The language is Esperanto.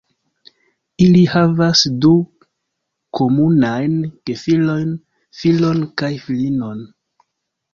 Ili havas du komunajn gefilojn, filon kaj filinon.